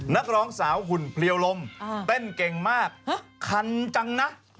นักร้องสาวหุ่นเพลียวลมเต้นเก่งมากคันจังนะ